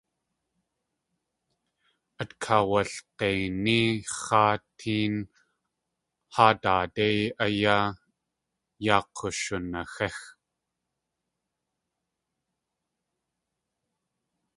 Át ax̲walg̲einí x̲aatéen haa daadéi áyá yaa k̲ushunaxíx.